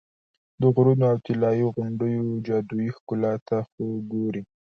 د غرونو او طلایي غونډیو جادویي ښکلا ته خو ګورې.